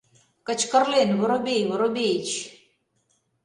— кычкырлен Воробей Воробеич.